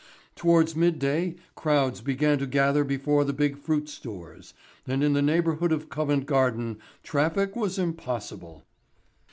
Towards midday crowds began to gather before the big fruit stores, and in the neighbourhood of Covent Garden traffic was impossible.